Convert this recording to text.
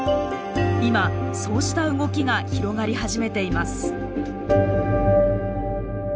今そうした動きが広がり始めています。